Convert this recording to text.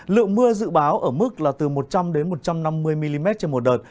lượng mưa dự báo ở mức là từ một trăm linh một trăm năm mươi mm trên một đợt